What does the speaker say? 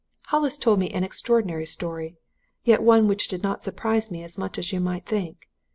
"Hollis told me an extraordinary story yet one which did not surprise me as much as you might think.